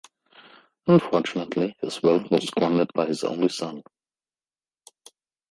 Unfortunately, his wealth was squandered by his only son.